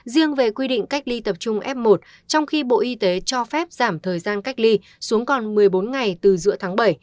riêng về quy định cách ly tập trung f một trong khi bộ y tế cho phép giảm thời gian cách ly xuống còn một mươi bốn ngày từ giữa tháng bảy